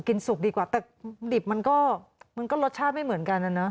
สุกดีกว่าแต่ดิบมันก็มันก็รสชาติไม่เหมือนกันนะ